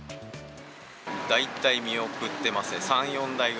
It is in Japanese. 大体見送ってますね。